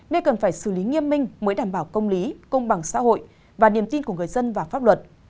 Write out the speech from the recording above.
nên cần phải xử lý nghiêm minh mới đảm bảo công lý công bằng xã hội và niềm tin của người dân và pháp luật